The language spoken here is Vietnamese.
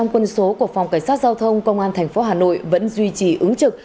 một trăm linh quân số của phòng cảnh sát giao thông công an thành phố hà nội vẫn duy trì ứng trực